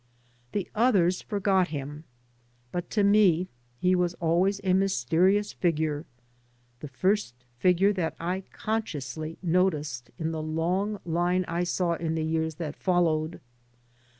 The others forgot him. But to me he was always a mysterious figure, the first figure that I consciously 3 by Google MY MOTHER AND I noticed in the long line I saw in the years that followed.